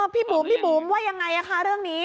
พี่บุ๋มพี่บุ๋มว่ายังไงคะเรื่องนี้